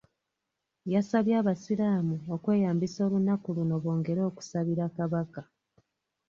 Yasabye abasiraamu okweyambisa olunaku luno bongere okusabira Kabaka.